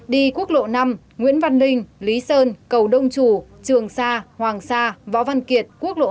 đi quốc lộ năm nguyễn văn ninh lý sơn cầu đông chủ trường sa hoàng sa võ văn kiệt quốc lộ hai